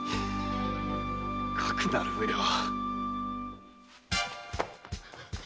かくなるうえは！